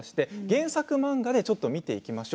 原作漫画でちょっと見ていきます。